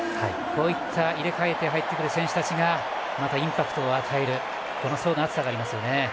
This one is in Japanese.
こういった入れ替えて入ってくる選手たちがまたインパクトを与える層の厚さがありますね。